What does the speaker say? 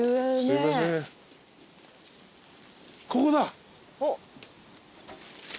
ここだ！